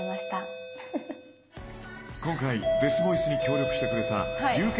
今回デスボイスに協力してくれた流血